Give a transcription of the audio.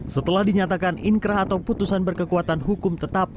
setelah dinyatakan inkrah atau putusan berkekuatan hukum tetap